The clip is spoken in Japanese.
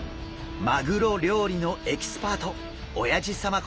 マグロ料理のエキスパートおやじ様こと